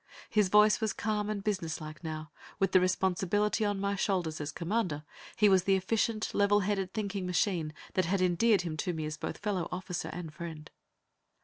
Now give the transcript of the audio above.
His voice was calm and businesslike, now; with the responsibility on my shoulders, as commander, he was the efficient, level headed thinking machine that had endeared him to me as both fellow officer and friend.